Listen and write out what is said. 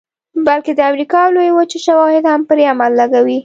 بلکې د امریکا لویې وچې شواهد هم پرې مهر لګوي